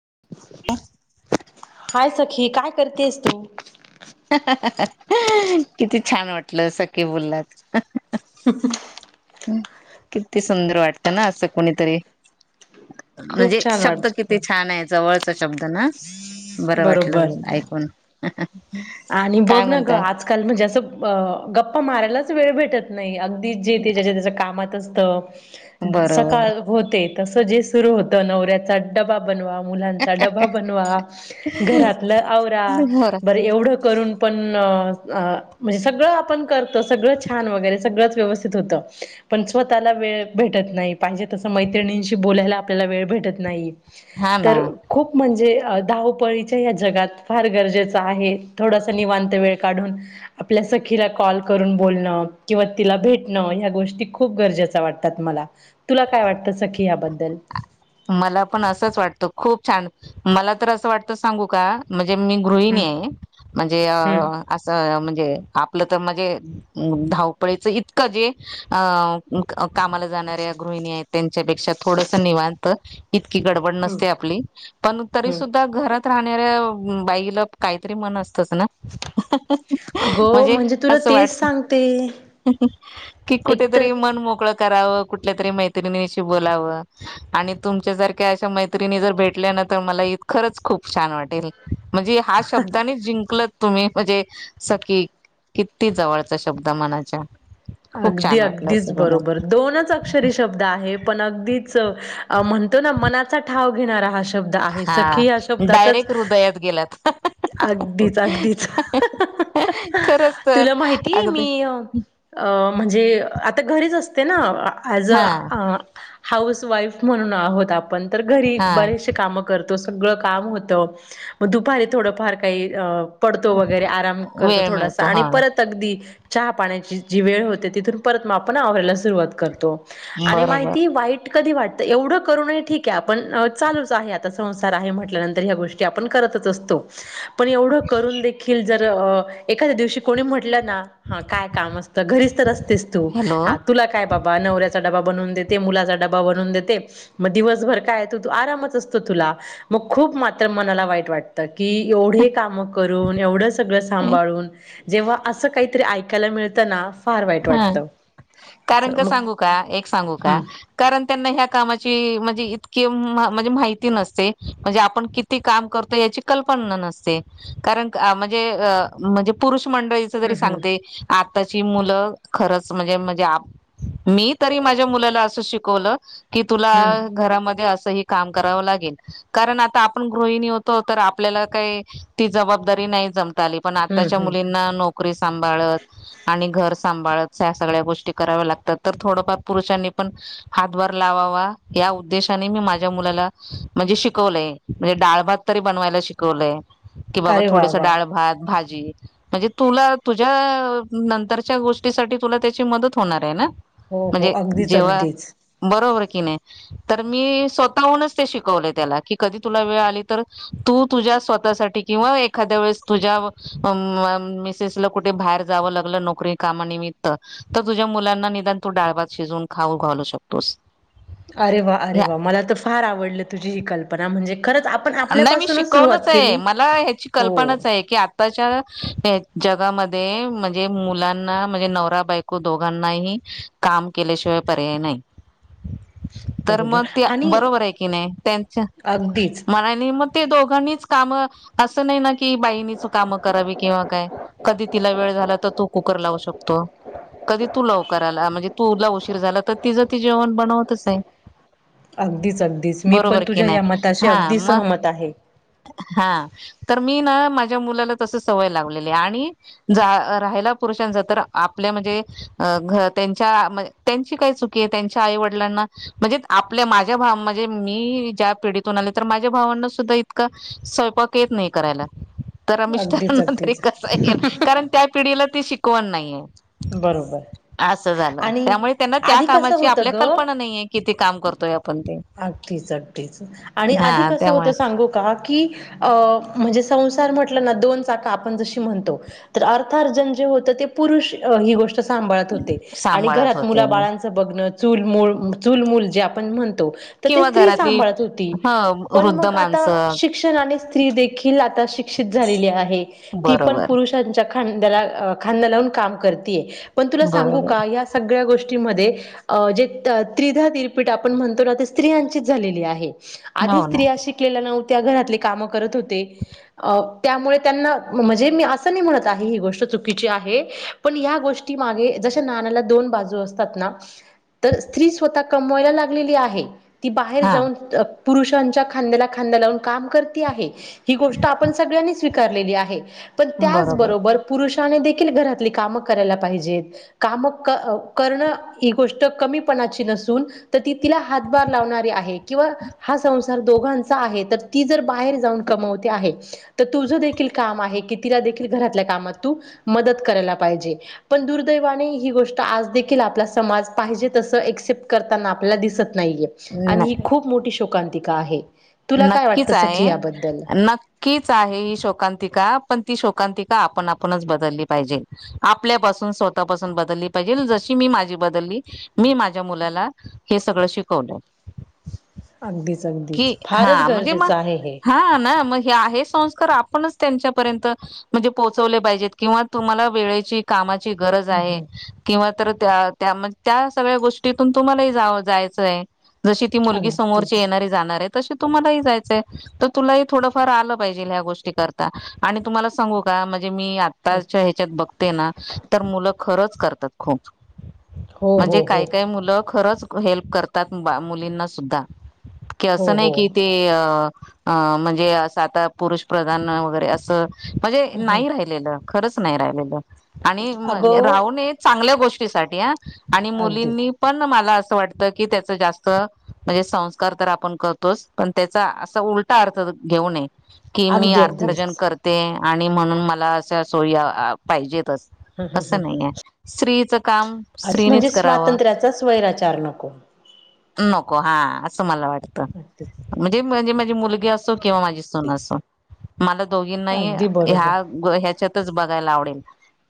[unintelligible] काय सखी काय करतेस तू किती छान वाटल सखळी बोललात ह किती सुंदर वाटतं ना असं कोणीतरी खूप म्हणजे छान शब्द वाटत किती छान आहे जवळच शब्द ना बर वाटलं बरोबर बोल ऐकून आणि काय बघ ना ग म्हणताय आजकाल म्हणजे असं गप्पा मारायलाच वेळ भेटत नाही अ जेते जच्या त्याच्या कामात असत बरोबर सकाळ होते तसं जे सुरु होतं नवऱ्याचा डबा बनवा मुलांचा डबा बनवा घरातलं आवरा बर एवढं ून पण म्हणजे सगळं आपण करतो सगळं छान वगैरे सगळंच व्यवस्थित होतं पण स्वतःला वेळ भेटत नाही पाहिजे तसं मैत्रिणींशी बोलायला आपल्याला वेळ भेटत नाही हा तर ना खूप म्हणजे धावपळीच्या या जगात फार गरजेचं आहे थोडासा निवांत वेळ काढून आपल्या सखीला कॉल करून बोलणं किंवा तिला भेटणं गोष्टी खूप गरजे वाटतात मला तुला काय वाटतं सखी हबद्दल मला पण असंच वाटतं खूप छान मला तर असं वाटतं सांगू का म्हणजे े मी गृहिणी हम्म आहे म्हणजे हम्म असं आपलं तर म्हणजे धावपळीच इतकं जे का ऱ्या गृहिणी आहेत त्यांच्यापेक्षा थोडस निवा इतकी गडबड हम्म नसते आपली पण तरी हम्म सुद्धा घरात राहणाऱ्या बाईला काहीतरी मन असतच ना अगं म्हणजे तुला असं तेच वाटत सांगते की एकतर कुठेतरी मन मोकळत करावं कुठल्या तरी मैत्रिणीशी बोलावं आणि तुमच्या जारख्या अशा मैत्रिणी जर भेटल्या ना तर मला इत खरंच खूप छान वाटेल म्हणजे हा शब्दानीच जिंकल तुम्ही म्हणजे सकीी किती जवळचा शब्द मनाच्या खूप अगदी छान वाटलं अगदीच असं मला बरोबर दोनच अक्षरी शब्द आहे पण अगदीच म्हणतो ना मनाचा ठाव घेणाराा शब्द आहे हा सखी या शब्दातच डायरेक्ट हृदयात गेलात अगदीच अगदीच खरंच तर तुला माहितीय अगदी मी अ म्हणजे आता घरीच असते ना ज हा अ हाऊस वाईफ म्हणून आहोत आपण तर घरी हा बरेचसे कामं करतो त सगळं काम होत मग दुपारी थोडंफार काही अ पडतो वगैरे आराम करतो वेळ थोडासा मिळतो आणि हा परत अगदी चहा पाण्याची जी वेळ होते तिथून परत मग आपण आवरायला सुरुवात करतो आणि बरोबर माहिती वाईट कधी वाटत एवढं करू नये ठीक आहे आपण चालूच आहे आता संसार आहे म्हटल्यानंतर ह्या गोष्टी आपण करत असतो पण एवढं करून देखील जर एखाद्या दिवशी कोणी म्हटलं ना ह काय तर घरीच तर असतेस तू हॅलो हा तुला काय बाबा नवऱ्याचा डबा बनवून देत मुलाचा डबा बनून देते मग दिवसभर काय त आरामच असतो तुला मग खूप मात्र मनाला वाईट वाटत कि एवढे काम करून एवढं सगळं सांभाळून जेव्हा असं काहीतरी ऐकायला मिळत अतनाफ हा कारण का मग सांगू का एक सांगू का हम्म कारण त्यांना ह कामाचे म्हणजे इतके माहिती नसते म्हणजे आपण किती काम करतो क ण म्हण मंडळीच जरी हम्म हम्म सांगते आताची मुलं खरच म्हणजे म्हणजे मी तरी माझ्या मुलाला असं शिकवलं कि तुला हम्म घरामध्ये अस काम करावं लागेल कारण आता आपण गृहिणी होतो आपल्याला काय ती जबाबदारी नाही पण हम्म आताच्या हम्म मुलींना नोकरी सांभाळत, आणि घ सांभाळत या सगळ्या गोष्टी कराव्या, लागतात तर थोडेफार पुरुषांनी पण हातभार लावावा. त्या उद्देशाने मी माझ्या मुलाला म्हणजे, शिकवलयं म्हणजे डाळ भात तरी बनवायला शिकवलंय. की बाबा, अरे वा थोडेस वा डाळ, भात, भाजी म्हणजे, तुला तुझ्या नंतरच्या गोष्टीसाठी तुला त्याची मदत होणार आहे. ना हो हो म्हणजे, अगदीच जेव्हा अगदीच बरोबर मी स्वतःहून शिकवल त्याला, की कधी तुला वेळ आली, तर तुझ्या स्वतः किंवा एखाद्या वेळेस तुझ्या मिसेसला कुठे? बाहेर जावं लागलं, नोकरी कामानिमित्त तर तुझ्या मुलांना निदान तू डाळ, भात शिजून खाऊ घालू शकतोस. अरे वा! अरे वा मला, तर फार आवडलं तुझी ही कल्पना म्हणजे, खरंच आपण नाही मी आपल्यापासूनच सुरुवात शिकवलचं आहे. केली मला ह्याची हो कल्पनाच आहे. की आताच्या जगामध्ये म्हणजे, मुलांना म्हणजे नवरा बायको दोघांनाही काम केल्याशिवाय पर्याय नाही. [inaudible] तर मग बरोबर ते आणि बरोबर आहे. की नाही त्यांच अगदीच म दोघांनीच काम अस नाही, की बाईनेच काम करावी किंवा काय? कधी वेळ झाला, तर तू कुकर लावू शकतो. कधी तू लवकर आला. म्हणजे तुला उशीर झाला, तर तिझं ती जेवण बनवतचं आहे. अगदीच अगदीच मी पण बरोबर की तुझ्या नाही या मताशी हा अगदी मग सहमत आहे हा तर! मी ना माझ्या मुलाला तस सवय लावलेली, आणि राहिला पुरुषांचा तर आपल्या ते [unintelligible] त्यांच्या आई, वडिलांना म्हणजे आपल्या माझ्या म्हणजे मी ज्या पिढ तून आले, तर माझ्या भावंना सुद्धा इतकां स्वयंपाक येत नाही करायला. तर अगदीच मिस्टरांना तरी अगदीच कसा येईल? कारण त्या पिढीला ती शिकवण नाहीये. बरोबर. असं झालं, आणि त्यामुळे त्यांना त्या आधी कसं कामाची होतं आपल्या ग कल्पना नाहीये, किती काम करतोय आपण. अगदीच अगदीच आणि आधी हा कसं होत त्यामुळे सांगू का? की अ म्हणजे संसार म्हटलं ना दोन चाक आपण जशी म्हणतो, तर अर्थारर्जन जे होत. ते पुरुष ही गोष्ट सांभाळत होते. आणि सांभाळत घरात होते मुला बाळांचं बघणं. चूलू चूलमूल जे आपण म्हण किंवा स्त्री घरातली सांभाळत होती, ह पण वृद्ध मग आता माणसं शिक्षण आणि स्त्री देखील आ शिक्षित झालेली आहे. ती पण बरोबर पुुषांच्या खांद्याला खांदा लावून काम करतीये, पण तुला सांगू बरोबर का या सगळ्या गोष्टी जे त्रिधा तीरपीठ आपण म्हणतो, ना ते स्त्रियांचीच झालेली आहे. आधी हो ना स्त्रिया शिकलेल्या नव्हत्या. त्या घरातले काम करत होते. अ त्यामुळे त्यांना म्हणजे, मी असं नाही म्हणत आहे ही गोष्ट चुकिची आहे. पण या गोष्टीमागे जसे नान्याला दोन बाजू आसतात. ना तर स्त्री स्वतः कमवायला लागलेली आहे. ती बाहेर हा जाऊन अ पुरुषांच्या खांद्याला खांदा लावून काम करती आहे. ही गोष्ट आपण सगळ्यांनी स्वीकारलेली आहे, पण बरोबर त्याचबरोबर पुरुषानेदेखील घरातली काम करायला पाहिजेत, काम क करणं ही गोष्ट कमी पणाची नसून, तर ती तिला हातभार लावणारी आहे. किंवा हा संसार दोघांचा आहे, तर ती जर बाहेर जाऊन कमवते आहे. तर तुझ देखील काम आहे. की तिला देखील घरातल्या कामात तू मदत करायला पाहिजे पण दुर्दैवाने हि गोष्ट आज देखील, आपला समाज पाहिजे, तस एक्सेप्ट करताना आपण आपल्याला दिसत नाहीये. आणि न ही खूप मोठी शोकांतिका आहे. तुला काय नक्कीच वाटतं सखी आहे! याबद्दल? नक्कीच! आहे ही शोकांतिका पण ती शोकांकिका आपण आपणच बदलली पाहिजे. आपल्यापासून, स्वतःपासून बदलली पाहिजे. जशी मी माझी बदलली मी माझ्या, मुलाला हे सगळ शिकवलं. अगदीच की अगदीच. फारच हा, म्हणजे मग, गरजेचं आहे हे. हा ना, मग हे आहे संस्कार आपणच तुमच्यापर्यंत म्हणजे पोहचवले पाहिजे किंवा तुम्हाला वेळेची कामा ची गरज हम्म आहे हम्म. किंवा तर त्या त्या म त्या सगळ्या गोष्टीतून तुम्हालाही जावं- जायचंय. जशी ती मुलगी समोरची अगदीच. येणारी, जाणार आहेत. तसं तुम्हालाही जायचंय तर तुलाही थोडंफार आलं पाहिजे ह्या गोष्टी करता, आणि तुम्हाला सांगू का? म्हण म्हणजे मी आताच्या ह्याच्यात बघते ना, तर मुलं खरचं करतात खूप. हो म्हणजे हो हो काही काही मुलं खरंच हेल्प करतात, बा मुलींनासुुद्धा. हो असं नाही हो. की ते अ, अ म्हणजे असं आता पुरुष प्रधान वगैरे असं- म्हणजे हम्म हम्म. नाही राहिलेलं, खरंच नाही राहिलेलं, आणि म अगं राहूनही चांगल्या गोष्टी मुलींसाठी हा, आणि अगदीच मुलींनी पण मला असं वाटत की, त्याच जास्त म्हणजे संस्कार तर आपण कर तोच पण त्याचा असा उलटा अर्थ घेऊ नये की, मी अगदी अर्थर्जन अगदीच. करते. आणि म्हणून मला अशा सोयी अ पाहिजेतच, असं नाही आहे श्रीत अस म्हणजे स्वातंत्र्याचा स्वैराचार नको. नको हा, असं मला वाटत आणते. म्हणजे माझी मुलगी असो, किंवा माझी सून असो. मला दोघींनाही अगदी बरोबर. ह्या, ह्याच्यातच बघायला आवडेल.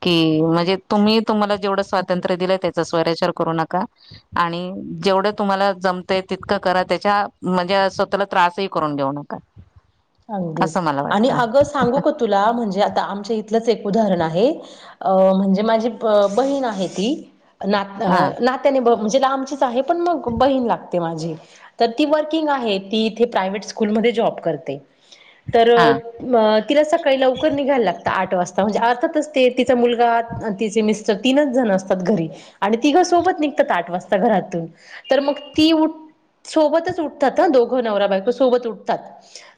की म्हणजे तुम्ही तुम्हाला जेवढं हम्म स्वातंत्र्य दिलंय, त्याचचं स्वैराचार करू नका आणि जेवढं तुम्हाला जमतय, तितकं करा त्याच्या म्हणजे असं, स्वतःला त्रासही करून घेऊ नका. अगदीच. असं मला आणि वाटतं अगं सांगू का तुला म्हणजे आता आमच्या इथलंच एक. उदाहरण आहे. अ म्हणजे माझी अ बहीण आहे ती. नात हा नात्याने ब म्हणजे ती लांबचीच आहे, पण बहिण लागते माझी. तर ती वर्किंग आहे ती इथे प्रायव्हेट स्कूलम ध्ये ती जॉब करते. तर हा अ तिला सकाळी लवकर निघायला लागत, आठ वाजता म्हणजे अर्थातच ति, तिचा मुलगा, तिचे मिस्टर तीनच जण असतात घरी आणि तिघेच सोबत निघतात आठ वाजता घरातून, तर मग ती ऊठ सोबतच उठतात हा, दोघं नवराबायको सोबत उठतात,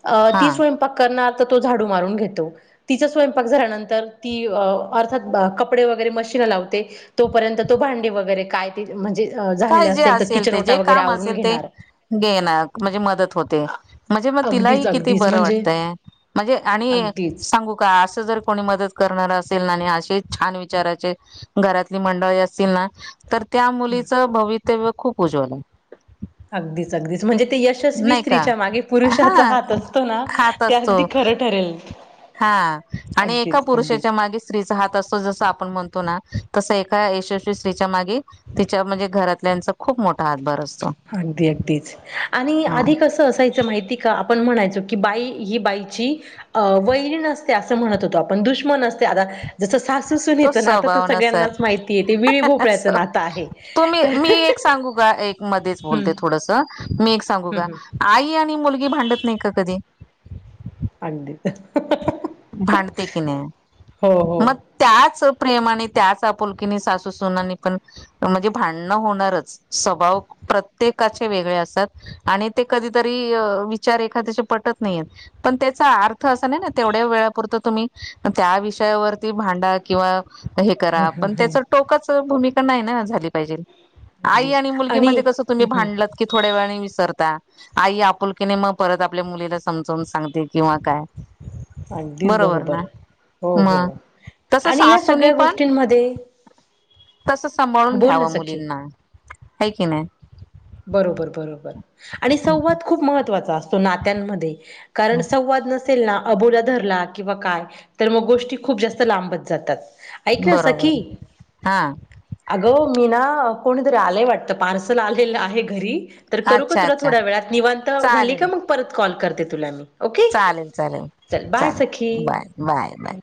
अ ती स्वयंपाक करणार- तर तो झाडू मारून घेतो. तिचा स्वयंपाक झाल्यानंतर ती अ अर्थात कपडे वगैरे मशीन ला लावते, तोपर्यंत तो भांडी वगैरे काय ते म्हणजे झालेलं काय जे तर असेल किचन ते, ओटा जे वगैरे काम आवरून असेल ते, घेणार घेणार म्हणजे मदत होते म्हणजे म अगदीच तिलाहि किती अगदीच बरं म्हणजे वाटतय, म्हणजे आणि अगदीच सांगू का अस जर कोणी मदत करणार असेल आणि असेच छान विचारांचे घरातली मंडळी असतील ना तर त्या ह मुली भवितव्य खूप उज्वल आहे. अगदीच, अगदीच, म्हणजे ते यशस्वी नाही का स्त्रीच्या मागे हा पुरुषाचा हात असतो ना, हात ते असतो अगदी ख खरं ठरेल. हा. आणि एका अगदीच अगदीच पुरुषाच्या मागे स्त्रीचा हात असतो, जसं आपण म्हणतो ए ना तसं एका यशस्वी स्त्रीच्या मागे, तिच्या म्हणजे घरातल्यांचा, खूप मोठा हातभार असतो अगदी, अगदीच. आणि हा आधी कस असायचं माहितीय, का आपण म्हणायचो की बाई ही बाईची अ वैरीण असते असं म्हणत होतो आपण. दुश्मन असते. आता जसं तो सासूसुनचं नातं तर स्वभाव ना सर सगळ्यांनाच माहिती आहेे, ते विळी भोपळ्याचं नातं आहे. तुम्ही तर मी एक सांगू का? एक मध्येच हम्म बोलते थोडसं, मी एक सांगू हम्म का? हम्म आई आणि मुलगी भांडत नाही का कधी? अगदीेच. भांडते की नाही? हो मग त्याच प्रेम आणि त्याच आपुलकीने सासु सुनांनी पण म्हणजे भांडणं होणारच. स्वभाव प्रत्येकाचे वेगळे असतात. आणि ते कधीतरी विचार एखाद्याचे पटत नाहीयेत. पण त्याचा अर्थ असा नाही ना तेवढ्या हे करा पण त्याच टोकाच भूमिका नाही ना झाली पाहिजे आई अगदी आणि मुलगी मध्ये कसं तुम्ही हम्म हम्म भांडलत की थोड्या वेळा विसरता आई आपुलकीने मग परत आपल्या मुलीला समजवून सांगते किंवा काय अगदीच बरोबर. हो हो मग तस आणि या सासूनी सगळ्या गोष्टींमध्ये तसं सांभाळून बोल ना घ्यावं सखी मुलींना आहे की नाही. बरोबर बरोबर आणि संवाद खूप महत्त्वाचा असतो नात्यांमध्ये कारण संवाद नस तिल ना अबोला धरला किंवा काय तर मग गोष्टी खूप जास्त लांबत जातात ऐक ना सखी बरोबर हा अगं मीना कोणीतरी आलंय वाटतं पार्सल आलेलं आहे घरी तर करू का अच्छा तुला अच्छा थोड्या वेळात निवांत झाली चालेल का मग परत कॉल करते तुला मी ओके चालेल चालेल चल बाय चालेल सखी बाय बाय बाय.